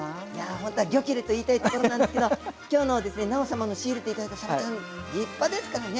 ほんとはギョ切れと言いたいところなんですけど今日の尚様の仕入れていただいたさばちゃん立派ですからね。